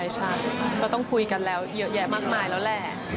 ใช่ก็ต้องคุยกันแล้วเยอะแยะมากมายแล้วแหละ